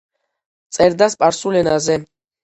წერდა სპარსულ ენაზე.